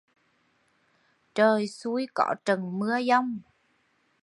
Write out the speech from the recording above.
Trời xui có trận mưa giông